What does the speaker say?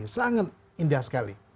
sangat indah sekali